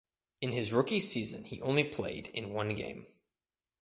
In his rookie season he only played in one game.